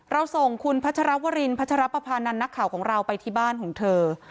เราส่งคุณพัชรวรินพัชรปภานันทร์นักข่าวของเราไปที่บ้านของเธอ